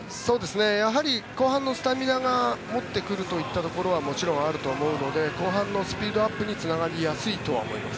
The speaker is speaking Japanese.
やはり、後半のスタミナが持ってくるというところはもちろんあると思うので後半のスピードアップにつながりやすいとは思います。